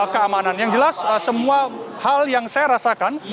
keamanan yang jelas semua hal yang saya rasakan